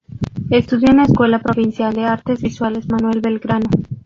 Estudió en la Escuela provincial de Artes Visuales Manuel Belgrano.